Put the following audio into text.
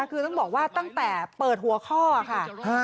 คือต้องบอกว่าตั้งแต่เปิดหัวข้อค่ะ